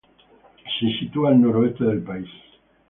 Se sitúa al noreste del país.